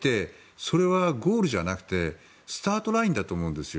それはゴールじゃなくてスタートラインだと思うんですよ。